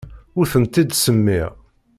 Ur tent-id-ttsemmiɣ.